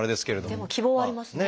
でも希望はありますね。